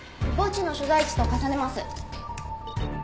墓地の所在地と重ねます。